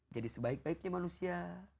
jadi sebaik baiknya manusia